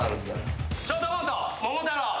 ショートコント桃太郎。